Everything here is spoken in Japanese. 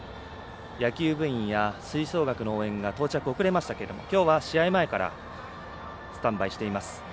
野球部員や吹奏楽部員が到着を遅れましたけれどもきょうは試合前からスタンバイしています。